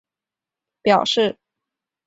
名单中已拆除的建筑名称以灰色表示。